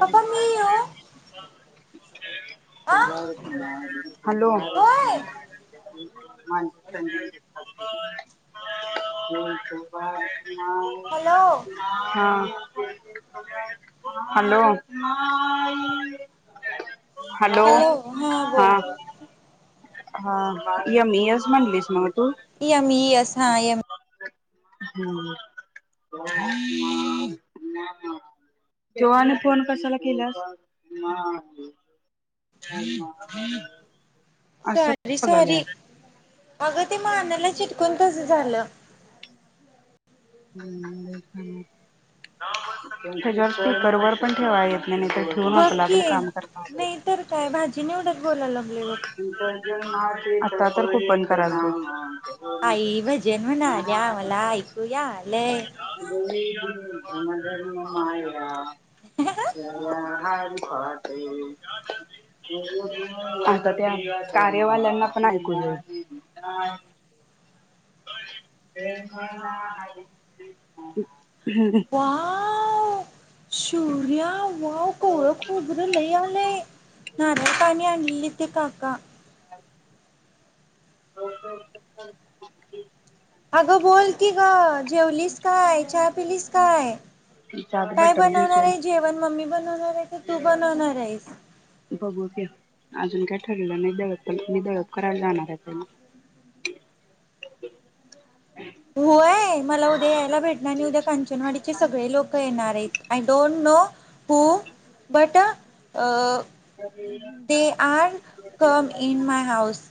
पप्पा मी येऊ आ होय [unintelligible] हॅलो [unintelligible] [unintelligible] हॅलो हॅलो हा! बोल हा य मी यस म्हणालीस म यमी ई यस हा येम [unintelligible] चोवाने फोन कशाला केलास. [unintelligible] असं सॉरी सॉरी बघाल्या. अगं ते मानेला चिटकून तस झालं. याच्या वर स्पीकर वर पण ठेवा येत. नाही तर ठेवून बघ आपलं की आपलं काम करत. नाही तर काय भाजी निवडत बोलायला लागले बघ [unintelligible] आई भजन म्हणाल्या मला ऐकूया. आलंय [unintelligible] [unintelligible] [unintelligible] हा [unintelligible] [unintelligible] [unintelligible] वाॅव सूर्याव. वाॅव कोवळं खोबर लय आलय नारळ पाणी आणलीलीत. ते काका? [inaudible] [unintelligible] अगं बोल की ग जेवलीस. काय चहा पिलीस काय, त्यात काय बटर बनवणार भिजवून आहे जेवण मम्मी बन वणार आहे की तू बनवणार आहेस. बघू की अजून काय ठरल नाही, दळप तर मी दळप करायला जाणार हाय त्यांना. होय मला उद्या यायला भेटणार आणि उद्या कांचनवाडीचे सगळे हो बट अ! They are come in my house.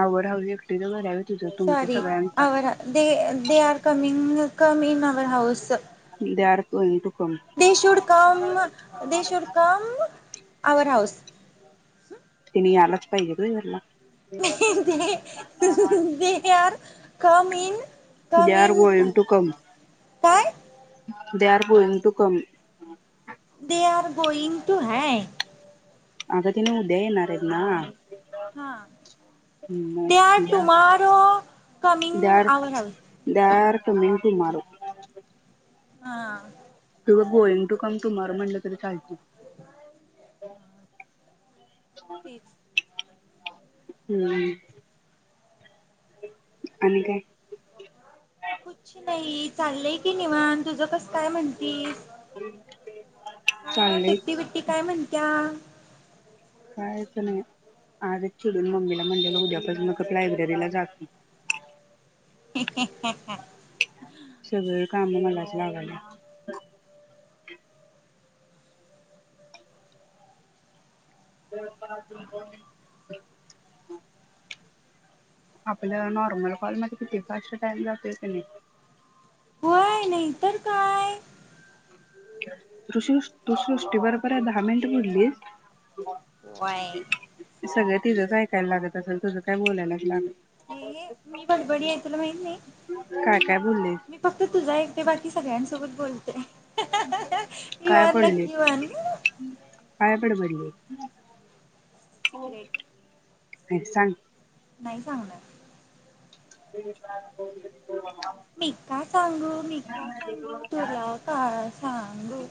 आवड हवी एकटीच घर हाय होय. [unintelligible] [unintelligible] [unintelligible] [unintelligible] [unintelligible] तिनी यालाच पाहिजे काय घरला दे आर गोईंग टू कम [unintelligible] काय [unintelligible] [unintelligible] हाय अग तीनी उद्या येणार हाईत ना हा मग दे आर उद्या tomorrow they coming are our house [unintelligible] हा किंवा गोइंग टू कम टुमारो म्हटलं तरी चालतंय हो तेच हूं आणि काय कुछ नई चाललय की निवांत तुझं कस काय म्हणतीस काय म चाललंय सुट्टी बिट्टी काय म्हणत्या कायच नाही आजच चिडून मम्मीला म्हटलेलो उद्यापसन गप लायब्ररीला जाते. [inaudible] सगळं काम मलाच लावायलय [unintelligible] आपलं नॉर्मल कॉलमध्ये किती फास्ट टाइम जातोय कनी होय नाही तर काय तूसृष तू सृष्टी बरोबर दहा मिनिट होय. बोलीस सगळ तिजच हाय टाइम लागत असल तुझ काय बोलायला तीला हे ए मी बडबडी हाय तुला माहीत नाही काय काय बोलले मी फक्त तुझ ऐकते बाकी सगळ्यांसोबत बोलते यू काय आर पडले लकी वन. काय बडबडले [inaudible] हो सिक्रेट ये सांग नाही सांगणार डेली टास्क पाहून घे मी का सांगू मी का सांगू तुला का सांगू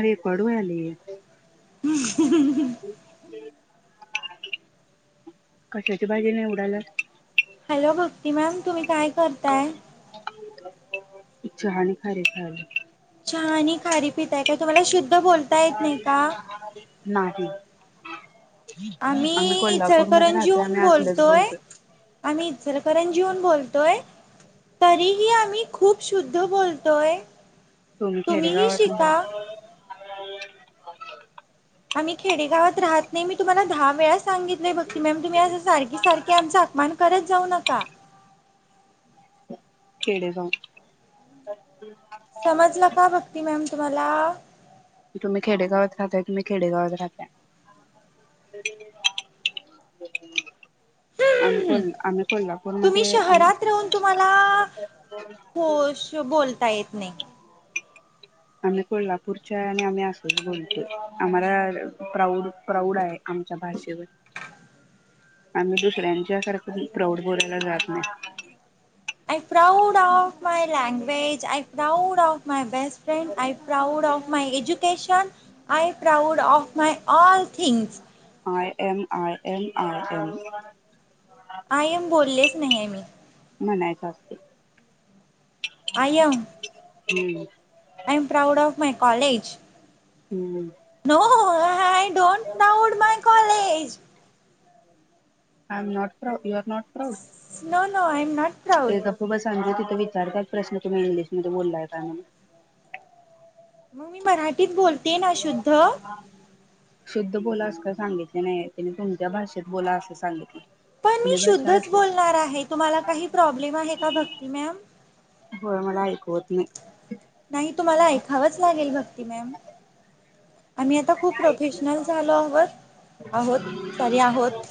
अरे पडूयाले [inaudible] कशाची भाजी निवडायलात हॅलो भक की मॅम तुम्ही काय करताय चहा आणि खारी खायले चहा आणि खारी पिताय काय तुम्हाला शुद् नाही आम्ही कोल्हापूरमध्ये राहतोय इचलकरंजीहून आम्ही असलच बोलतोय आम्ही इचलकरंजीहून बोल तोय तरीही आम्ही खूप शुद्ध बोलतोय. तुम्ही तुम्हीही खेडेगावातन - शिका. आम्ही खेडेगावात राहत नाही मी तुम्हाला दहा वेळा सांगितलंय भक्ती मॅम तुम्ही असं सारखी सारखी आमचा अपमान करत जाऊ नका. खेडेगाव समजला का भक्ती मॅम तुम् म्हाला तुम्ही खेडेगावात राहताय तुम्ही खेडेगावात राहताय आम्ही हम्म् कोल आम्ही तुम्ही कोल्हापूरमध्ये आम शहरात राहून तुम्हाला होश बोलता येत नाही. आम्ही कोल्हापूरच्या आहे आणि आम्ही असच बोलतोय आम्हाला प्राऊड प्राऊड आहे आमच्या भाषेवर आम्ही दुसऱ्यांच्या सारख प्राऊड बोलायला जात नाय. I proud of my language I proud of my best friend I proud of my education I proud of my all things I am I am I am I am बोललिस नाही ये मी म्हणायच असतय I am [unintelligible] I am proud of my college हूं हूं no हो हो hi don't loud my college I am not pro you are not proud no no I am not proud विचारताच प्रश्न तुम्ही इंग्लिशमध्ये बोलाय काय म्हणून म मी मराठ ती बोलते ना शुद्ध? शुद्ध बोला असं काय सांगितलं नाहीये तिनं, तुमच्या भाषेत बोला असं सांगितलंय. पण मी शुद्धच बोलणार आहे. तुम्हाला काही प्रॉब्लेम आहे का भक्ती मॅम? होय मला ऐकवत नाही. नाही तुम्हाला ऐकावंच लागेल भक्ती मॅम. आम्ही आता खूप प्रोफेशनल झालो आहोत. आहोत सॉरी आहोत.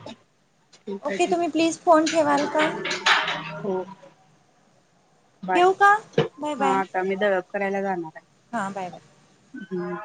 ह ठीक आहे ओके तुम्ही प्लीज फोन ठेवाल ठीक का आहे. हो! बाय! ठेवू का हा आता मी द करायला जाणाराय हा बाय-बाय! हम्!